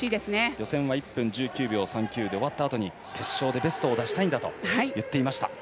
予選は１分１９秒３９で決勝でベストを出したいんだと言っていました。